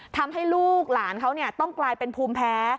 ทำให้ลูกหลานเขาต้องกลายเป็นภูมิแพ้